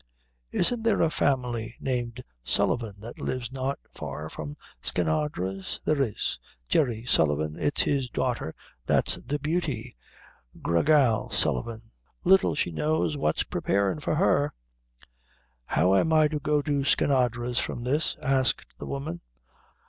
"Isn't there a family named Sullivan that lives not far from Skinadre's?" "There is; Jerry Sullivan, it's his daughter that's the beauty Gra Gal Sullivan. Little she knows what's preparin' for her!" "How am I to go to Skinadre's from this?" asked the woman.